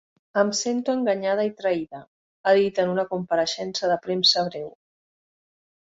Em sento enganyada i traïda, ha dit en una compareixença de premsa breu.